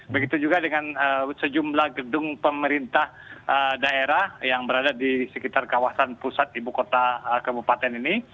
begitu juga dengan sejumlah gedung pemerintah daerah yang berada di sekitar kawasan pusat ibu kota kabupaten ini